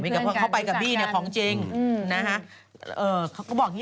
ไม่เกี่ยวเลยเข้าไปกับบี่เนี่ยของเจงนะฮะ